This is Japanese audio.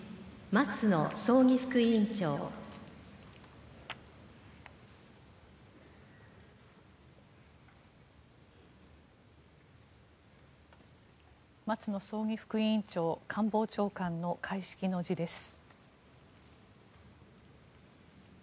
松野葬儀副委員長官房長官の開式の辞です。